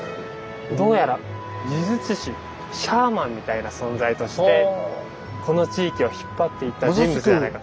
どうやら呪術師シャーマンみたいな存在としてこの地域を引っ張っていた人物じゃないかと。